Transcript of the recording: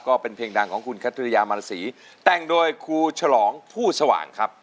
ก็เป็นเพลงดังของคุณคัทธริยามารสีแต่งโดยครูฉลองผู้สว่างครับ